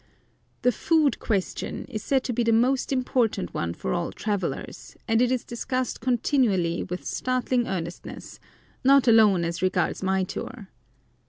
The "Food Question" is said to be the most important one for all travellers, and it is discussed continually with startling earnestness, not alone as regards my tour.